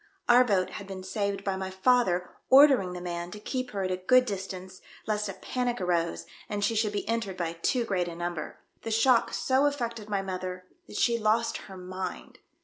Our boat had been saved by my father ordering the man to keep her at a good distance lest a panic arose and she should be entered by too great a number. The shock so affected my mother that she lost her mind."